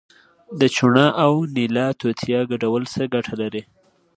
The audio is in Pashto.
د چونه او نیلا توتیا ګډول څه ګټه لري؟